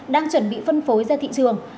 đang chuẩn bị phân phối ra thị trường